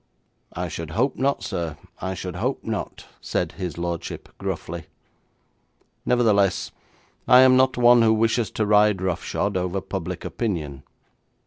'I should hope not, sir, I should hope not,' said his lordship gruffly. 'Nevertheless, I am not one who wishes to ride roughshod over public opinion.